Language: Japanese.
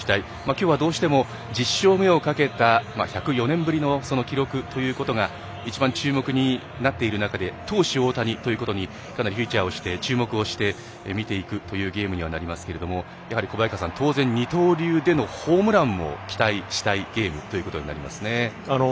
きょうは、どうしても１０勝目をかけた１０４年ぶりの記録ということが一番、注目になっている中で投手大谷ということにかなりフューチャーをして注目をして見ていくというゲームにはなりますけれども当然、二刀流でのホームランも期待したいゲームということになりますね。